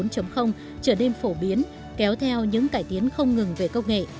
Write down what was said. trở nên phổ biến kéo theo những cải tiến không ngừng về công nghệ